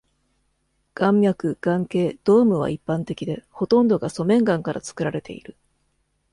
岩脈、岩頸、ドームは一般的で、ほとんどが粗面岩から作られている。